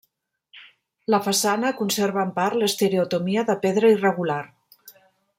La façana conserva en part l'estereotomia de pedra irregular.